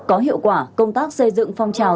có hiệu quả công tác xây dựng phong trào